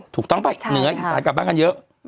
ถูกต้องไปเหนืออีสานกลับบ้านกันเยอะ